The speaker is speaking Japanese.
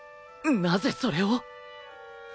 なぜそれを？